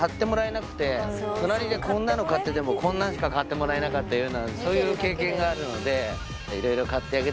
隣でこんなの買っててもこんなんしか買ってもらえなかったようなそういう経験があるので。